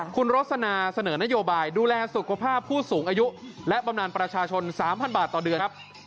คุณโรสนาเสนอนโยบายดูแลสุขภาพผู้สูงอายุและบำนานประชาชน๓๐๐บาทต่อเดือนครับ